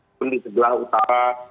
dan di sebelah utara